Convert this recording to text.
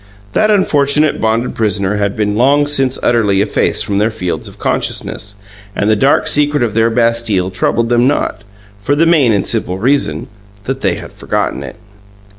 That unfortunate bonded prisoner had been long since utterly effaced from their fields of consciousness, and the dark secret of their Bastille troubled them not for the main and simple reason that they had forgotten it.